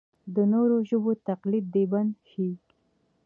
د نورو ژبو تقلید دې بند شي.